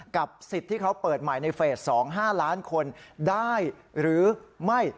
สิทธิ์ที่เขาเปิดใหม่ในเฟส๒๕ล้านคนได้หรือไม่